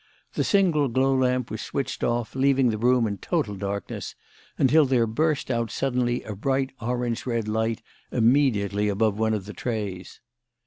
The single glow lamp was switched off, leaving the room in total darkness, until there burst out suddenly a bright orange red light immediately above one of the trays.